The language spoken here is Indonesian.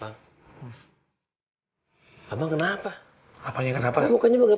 hai apa kenapa apa yang kenapa bukannya begitu